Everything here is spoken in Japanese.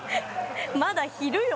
まだ昼よ